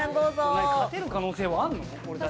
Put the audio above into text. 勝てる可能性はあるの？